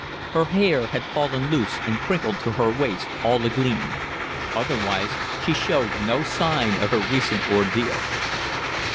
Her hair had fallen loose and crinkled to her waist, all agleam. Otherwise she showed no sign of her recent ordeal.